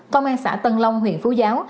công an xã tân long huyện phú giáo